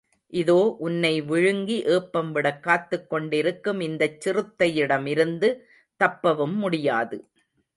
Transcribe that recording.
இதோ, உன்னை விழுங்கி ஏப்பம் விடக் காத்துக் கொண்டிருக்கும் இந்தச் சிறுத்தையிடமிருந்து தப்பவும் முடியாது.